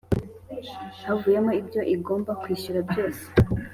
havuyemo ibyo igomba kwishyura byose